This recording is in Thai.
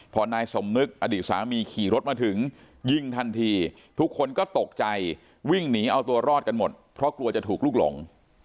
พอนายสมนึกอดีตสามีขี่รถมาถึงยิงทันทีทุกคนก็ตกใจวิ่งหนีเอาตัวรอดกันหมดเพราะกลัวจะถูกลุกหลง